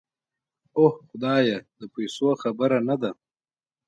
اوح خدايه د پيسو خبره نده.